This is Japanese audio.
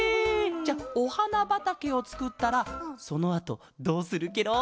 じゃあおはなばたけをつくったらそのあとどうするケロ？